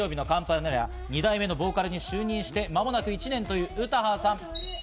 ２代目ボーカルに就任して、まもなく１年という詩羽さん。